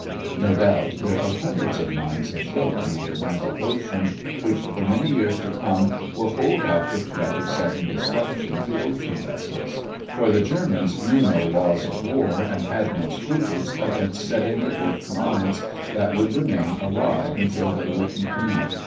No doubt there are hundreds of mines afloat in the Atlantic Ocean which for many years to come will hold out the threat of sudden destruction to ocean vessels; for the Germans knew no laws of war and had no scruples against setting adrift mines that would remain alive until they were eaten up with rust.